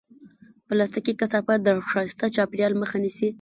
پلاستيکي کثافات د ښایسته چاپېریال مخه نیسي.